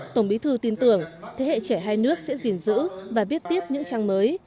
tổng bí thư tin tưởng thế hệ trẻ hai nước sẽ gìn giữ và viết tiếp những trang mới